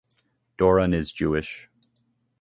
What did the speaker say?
Doron is Jewish.